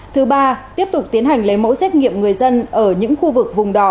thứ ba tiếp tục tiến hành lấy mẫu xét nghiệm người dân ở những khu vực vùng đó